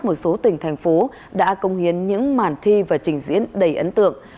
một số tỉnh thành phố đã công hiến những màn thi và trình diễn đầy ấn tượng